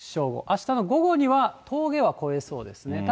あしたの午後には、峠は越えそうですね。